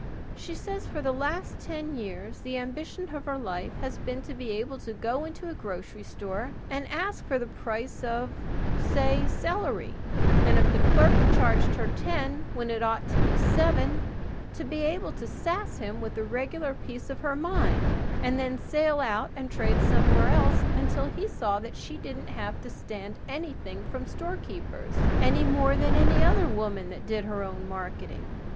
She says that for the last ten years the ambition of her life has been to be able to go into a grocery store and ask the price of, say, celery; and, if the clerk charged her ten when it ought to be seven, to be able to sass him with a regular piece of her mind and then sail out and trade somewhere else until he saw that she didn't have to stand anything from storekeepers, any more than any other woman that did her own marketing.